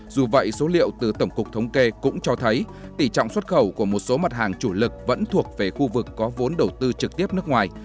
dù vậy số liệu từ tổng cục thống kê cũng cho thấy tỷ trọng xuất khẩu của một số mặt hàng chủ lực vẫn thuộc về khu vực có vốn đầu tư trực tiếp nước ngoài